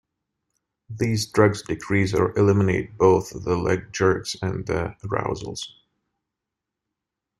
These drugs decrease or eliminate both the leg jerks and the arousals.